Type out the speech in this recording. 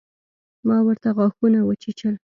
ما ورته غاښونه وچيچل.